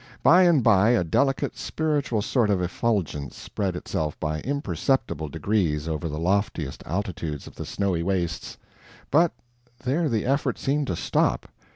By and by a delicate, spiritual sort of effulgence spread itself by imperceptible degrees over the loftiest altitudes of the snowy wastes but there the effort seemed to stop.